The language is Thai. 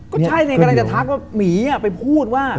ก็ใช่สิกำลังจะทักว่าหมีไปพูดว่า